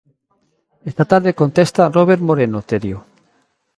Esta tarde contesta Robert Moreno, Terio.